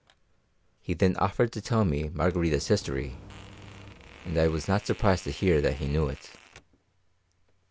He then offered to tell me Margarita's history; and I was not surprised to hear that he knew it.